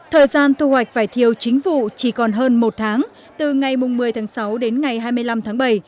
thời gian thu hoạch vải thiều chính vụ chỉ còn hơn một tháng từ ngày một mươi tháng sáu đến ngày hai mươi năm tháng bảy